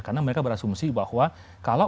karena mereka berasumsi bahwa